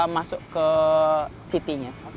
masuk ke city nya